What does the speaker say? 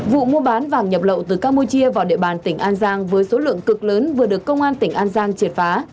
vụ mua bán vàng nhập lậu từ campuchia vào địa bàn tỉnh an giang với số lượng cực lớn vừa được công an tỉnh an giang triệt phá